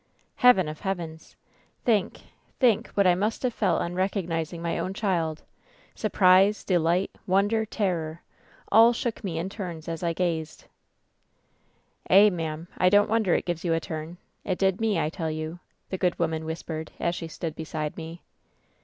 "Heaven of heavens ! "Think — think what I must have felt on recognizing my own child ! "Surprislg, delight, wonder, terror — all shook me in turns as I gazedr " 'Eh, ma'am ! I don't wonder it gives you a turn ! It did me, I tell you !' the good woman whispered, as she stood beside me.